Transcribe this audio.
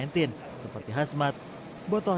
khusus di jawa timur